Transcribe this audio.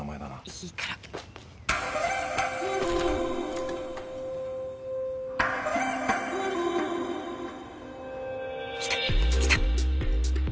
いいから。来た。来た。